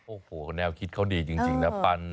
โอ้โหแนวคิดเขาดีจริงนะปัน